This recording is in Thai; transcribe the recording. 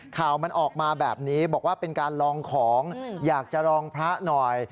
ข่าวมันออกมาแบบนี้บอกว่าเป็นการลองของอยากจะลองพระหน่อย